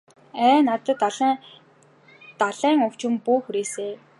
Ай надад далайн өвчин бүү хүрээсэй.